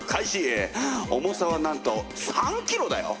重さはなんと３キロだよ！